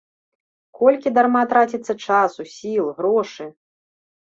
Колькі дарма траціцца часу, сіл, грошы!